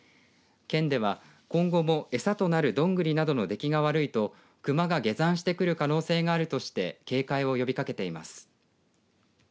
県では今後も餌となるドングリなどの出来が悪いとクマが下山してくる可能性があるとして警戒を呼びかけています。